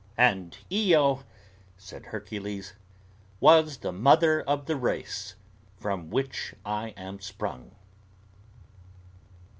"And Io," said Hercules, "was the mother of the race from which I am sprung."